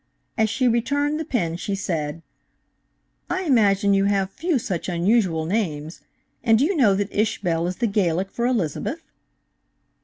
As she returned the pen she said 'I imagine you have few such unusual names, and do you know that Ishbel is the Gaelic for Elizabeth?'